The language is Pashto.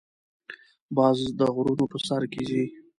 باز د غرونو په سر کې ځې